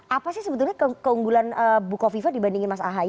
apa sih sebetulnya keunggulan bu kofi fa dibandingin mas ahai